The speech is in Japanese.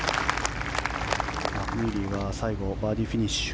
マクニーリーは最後バーディーフィニッシュ。